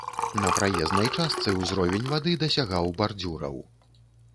На праезнай частцы ўзровень вады дасягаў бардзюраў.